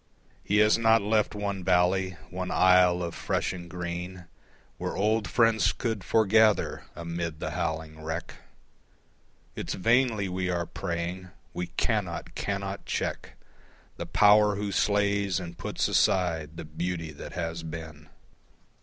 He has not left one valley, one isle of fresh and green Where old friends could forgather amid the howling wreck. It's vainly we are praying. We cannot, cannot check The Power who slays and puts aside the beauty that has been.